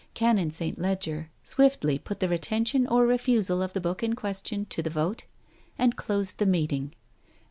Canon St. Leger swiftly put the retention or refusal of the book in question to the vote and closed the meeting.